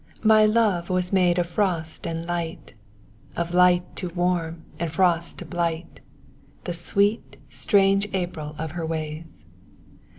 My love was made of frost and light, Of light to warm and frost to blight The sweet, strange April of her ways.